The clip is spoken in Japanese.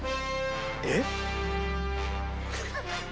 えっ？